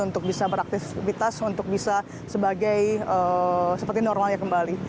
untuk bisa beraktivitas untuk bisa sebagai seperti normalnya kembali